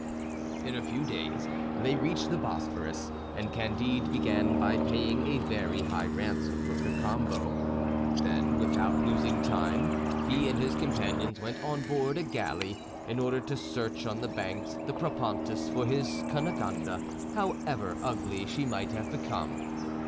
In a few days they reached the Bosphorus, and Candide began by paying a very high ransom for Cacambo. Then without losing time, he and his companions went on board a galley, in order to search on the banks of the Propontis for his Cunegonde, however ugly she might have become.